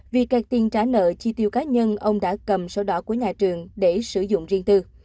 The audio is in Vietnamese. vì cạc tiền trả nợ chi tiêu cá nhân ông đã cầm số đỏ của nhà trường để sử dụng riêng tư